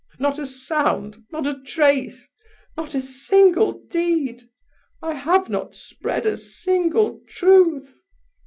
Not a sound, not a trace, not a single deed! I have not spread a single truth!...